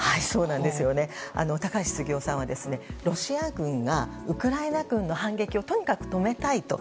高橋杉雄さんはロシア軍がウクライナ軍の反撃をとにかく止めたいと。